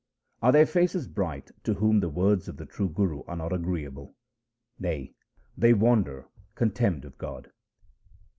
Are their faces bright to whom the words of the true Guru are not agreeable ? Nay, they wander contemned of God.